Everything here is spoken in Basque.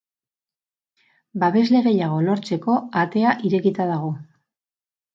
Babesle gehiago lortzeko atea irekita dago.